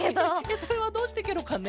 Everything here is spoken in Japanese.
それはどうしてケロかね？